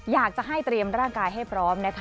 อยากจะให้เริ่มร่างกายให้พร้อม